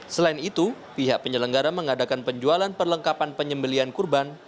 selain itu pihak penyelenggara mengadakan penjualan perlengkapan penyembelian kurban